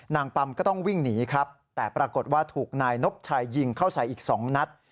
ปัมก็ต้องวิ่งหนีครับแต่ปรากฏว่าถูกนายนบชายยิงเข้าใส่อีก๒นัด